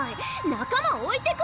仲間置いてく？